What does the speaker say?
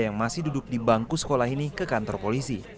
yang masih duduk di bangku sekolah ini ke kantor polisi